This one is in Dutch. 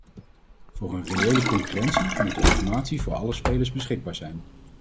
Voor een reële concurrentie moet de informatie voor alle spelers beschikbaar zijn.